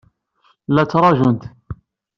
La ttṛajunt.